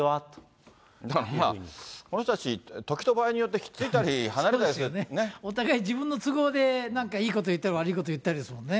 まあ、この人たち、時と場合によって、お互い自分の都合で、なんかいいこと言ったり、悪いこと言ったりですよね。